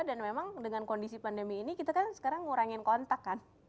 memang dengan kondisi pandemi ini kita kan sekarang ngurangin kontak kan